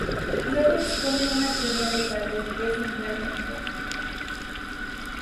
Luego expone una teoría del valor que es central en todo.